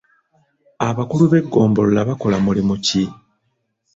Abakulu b'eggombolola bakola mulimu ki?